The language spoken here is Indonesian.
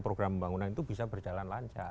program pembangunan itu bisa berjalan lancar